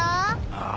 ああ。